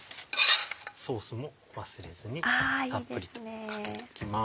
ソースも忘れずにたっぷりとかけておきます。